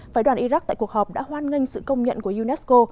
phái đoàn iraq tại cuộc họp đã hoan nghênh sự công nhận của unesco